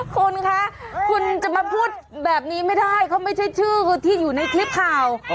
คุณคะคุณจะมาพูดแบบนี้ไม่ได้เขาไม่ใช่ชื่อคือที่อยู่ในคลิปข่าว